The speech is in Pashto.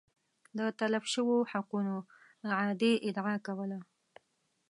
د تلف شویو حقونو اعادې ادعا کوله